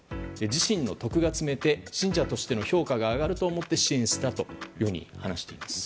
自身の徳が積めて信者としての評価が上がると思って支援したと話しています。